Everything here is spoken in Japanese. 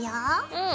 うん。